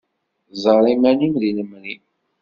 Ẓer iman-im di lemri.